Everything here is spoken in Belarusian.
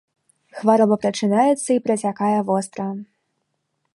Хвароба пачынаецца і працякае востра.